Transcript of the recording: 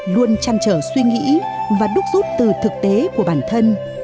luôn chăn trở suy nghĩ và đúc rút từ thực tế của bản thân